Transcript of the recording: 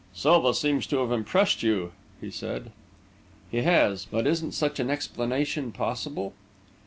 "Silva seems to have impressed you," he said. "He has. But isn't such an explanation possible?"